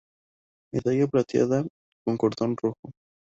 Medalla plateada con cordón rojo.